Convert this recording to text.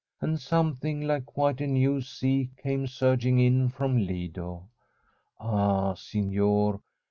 And something like quite a new sea came surging in from Lido. Ah, signor!